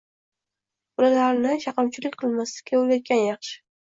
Bolalarni chaqimchilik qilmaslikka o‘rgatgan yaxshi.